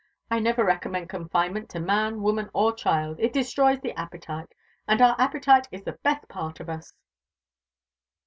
I never recommend confinement to man, woman, or child. It destroys the appetite and our appetite is the best part of us.